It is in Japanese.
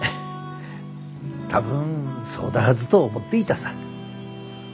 多分そうだはずと思っていたさ。